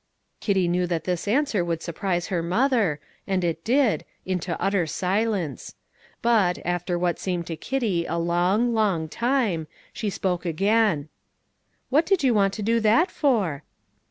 Kitty knew that this answer would surprise her mother, and it did, into utter silence; but, after what seemed to Kitty a long, long time, she spoke again: "What did you want to do that for?"